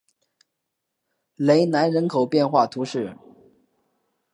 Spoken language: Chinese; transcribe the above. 雷南人口变化图示